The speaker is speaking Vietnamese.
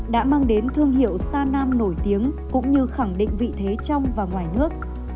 đã mang đến thương hiệu sa nam nổi tiếng cũng như khẳng định vị thế trong và ngoài nước